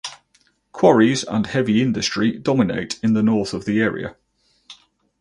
Quarries and heavy industry dominate in the north of the area.